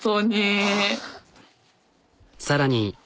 さらに。